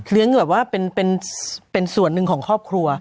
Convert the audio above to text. แบบว่าเป็นส่วนหนึ่งของครอบครัว